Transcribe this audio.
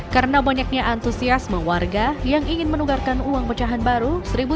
karena banyaknya antusias mewarga yang ingin menukarkan uang pecahan baru